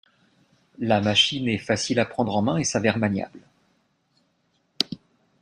La machine est facile à prendre en main et s'avère maniable.